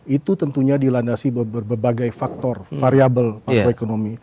itu tentunya dilandasi berbagai faktor variable faktor ekonomi